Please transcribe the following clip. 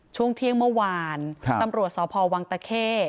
ช่วงเที่ยงเมื่อวานตำรวจสพวังตะเข้